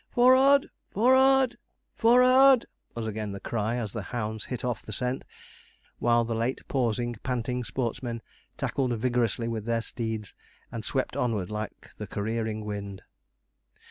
'For rard! for rard! for rard!' was again the cry, as the hounds hit off the scent; while the late pausing, panting sportsmen tackled vigorously with their steeds, and swept onward like the careering wind.